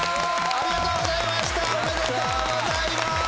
ありがとうございます。